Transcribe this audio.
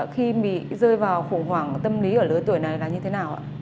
khi bị rơi vào khủng hoảng tâm lý ở lưới tuổi này là như thế nào ạ